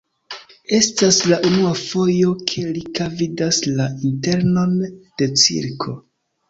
Estas la unua fojo, ke Rika vidas la internon de cirko.